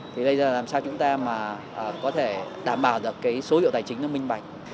thì đây là làm sao chúng ta mà có thể đảm bảo được cái số hiệu tài chính nó minh bạch